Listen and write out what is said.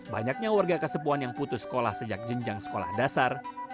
banyaknya warga kasepuan yang putus sekolah sejak jenjang sekolah dasar